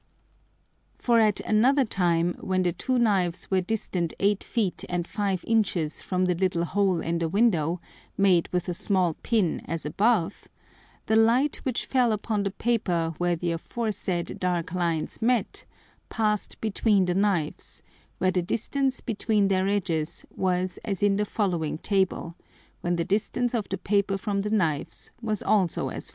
For at another time, when the two Knives were distant eight Feet and five Inches from the little hole in the Window, made with a small Pin as above, the Light which fell upon the Paper where the aforesaid dark lines met, passed between the Knives, where the distance between their edges was as in the following Table, when the distance of the Paper from the Knives was also as follows.